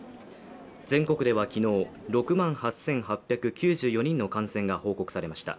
全国では昨日６万８８９４人の感染が報告されました。